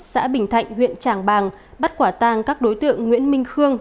xã bình thạnh huyện tràng bàng bắt quả tang các đối tượng nguyễn minh khương